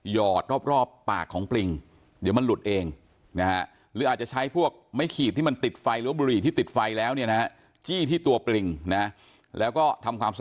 หยอดรอบปากของปลิงเดี๋ยวมันหลุดเองนะฮะ